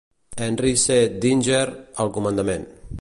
Henry C. Dinger al comandament.